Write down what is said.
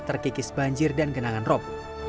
terkikis banjir dan genangan rop